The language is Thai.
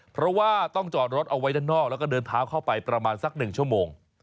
เพราะว่าต้องจอดรถเอาไว้ด้านนอกแล้วก็เดินเท้าเข้าไปประมาณสัก๑ชั่วโมง